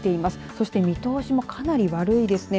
そして見通しもかなり悪いですね。